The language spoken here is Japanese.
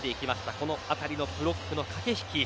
このあたりのブロックの駆け引き